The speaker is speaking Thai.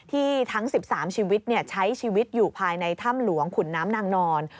ทั้ง๑๓ชีวิตใช้ชีวิตอยู่ภายในถ้ำหลวงขุนน้ำนางนอน